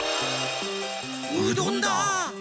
うどんだ！